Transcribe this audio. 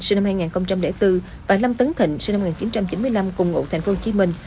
sinh năm hai nghìn bốn và năm tấn thịnh sinh năm một nghìn chín trăm chín mươi năm cùng ngụ thành phố hồ chí minh